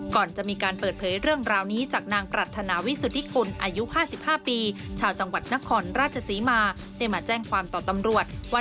ก่อนจะมีการเปิดเผยเรื่องราวนี้จากนางปรัฐนาวิสุทธิกุลอายุ๕๕ปีชาวจังหวัดนครราชศรีมาได้มาแจ้งความต่อตำรวจว่า